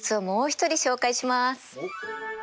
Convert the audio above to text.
おっ！